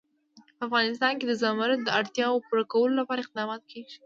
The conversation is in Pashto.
په افغانستان کې د زمرد د اړتیاوو پوره کولو لپاره اقدامات کېږي.